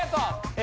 え！